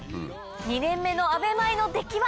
２年目の阿部米の出来は？